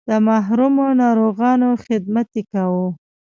د محرومو ناروغانو خدمت یې کاوه.